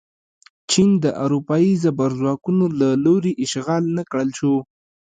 چین د اروپايي زبرځواکونو له لوري اشغال نه کړل شو.